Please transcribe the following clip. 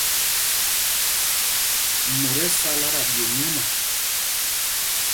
Mot ɛ sala ta ɓye myána.